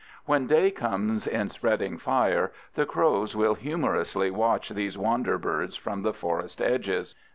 When day comes in spreading fire the crows will humorously watch these wander birds from the forest edges.